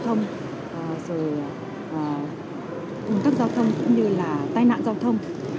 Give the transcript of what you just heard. không để xảy ra ủng tắc giao thông cũng như là tai nạn giao thông